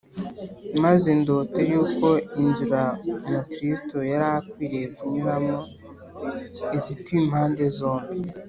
Maze ndota yuko inzira Mukristo yari akwiriye kunyuramo izitiwe impande zombi